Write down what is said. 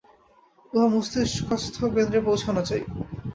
উহা মস্তিষ্কস্থ কেন্দ্রে পৌঁছানো চাই।